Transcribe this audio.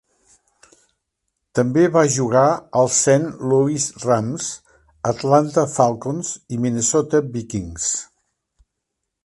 També va jugar als Saint Louis Rams, Atlanta Falcons i Minnesota Vikings.